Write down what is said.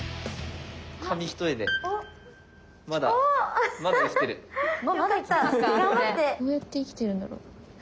紙一重でまだどうやって生きてるんだろう？